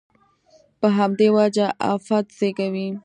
په همدې وجه افت زېږوي.